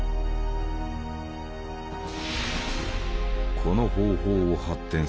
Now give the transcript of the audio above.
この方法を発展させ